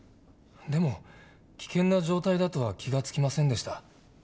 でも危険な状態だとは気が付きませんでした。